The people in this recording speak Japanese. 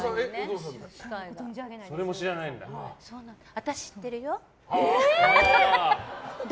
私、知ってるよ。